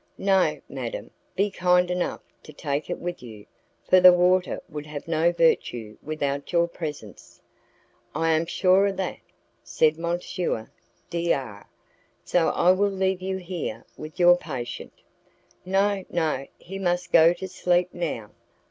"No, madam, be kind enough to take it with you, for the water would have no virtue without your presence." "I am sure of that," said M. D R , "so I will leave you here with your patient." "No, no, he must go to sleep now."